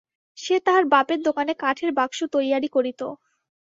সে তাহার বাপের দোকানে কাঠের বাক্স তৈয়ারি করিত।